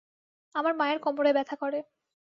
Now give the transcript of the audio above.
আমার মায়ের কোমরে ব্যথা করে।